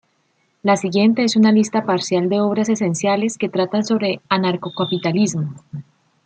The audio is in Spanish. La siguiente es una lista parcial de obras esenciales que tratan sobre anarcocapitalismo.